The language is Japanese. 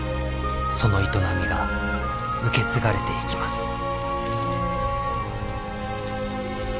その営みが受け継がれていきます。